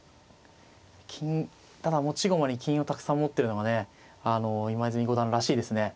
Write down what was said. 金ただ持ち駒に金をたくさん持ってるのがね今泉五段らしいですね。